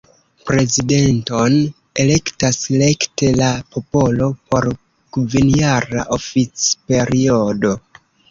Prezidenton elektas rekte la popolo por kvinjara oficperiodo.